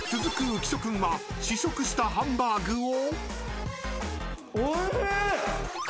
浮所くんは試食したハンバーグを］